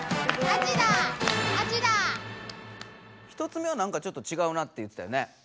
１つ目はなんかちょっとちがうなって言ってたよね。